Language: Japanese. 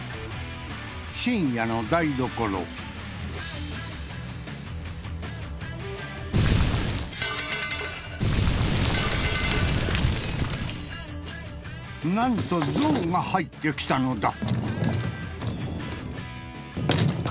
深夜の台所何とゾウが入ってきたのだ